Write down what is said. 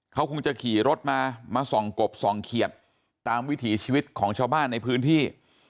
เขาคงจะขี่รถมามาส่องกบส่องเขียดตามวิถีชีวิตของชาวบ้านในพื้นที่